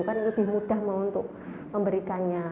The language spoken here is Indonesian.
kan lebih mudah untuk memberikannya